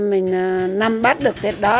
mình nắm bắt được cái đó